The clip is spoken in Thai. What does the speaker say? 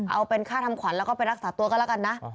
เอาเป็นค่าทำขวัญแล้วก็ไปรักษาตัวก็แล้วกันนะ